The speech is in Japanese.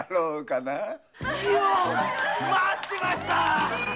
待ってました！